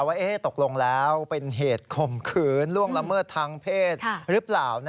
ว่าตกลงแล้วเป็นเหตุข่มขืนล่วงละเมิดทางเพศหรือเปล่า